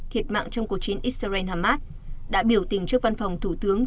thiệt mạng trong cuộc chiến israel hamas đã biểu tình trước văn phòng thủ tướng